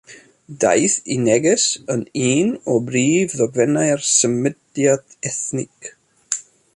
Daeth ei neges yn un o brif ddogfennau'r “symudiad ethnig”.